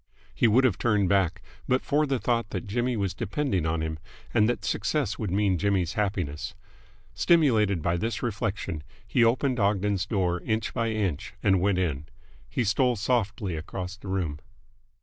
He would have turned back, but for the thought that Jimmy was depending on him and that success would mean Jimmy's happiness. Stimulated by this reflection, he opened Ogden's door inch by inch and went in. He stole softly across the room.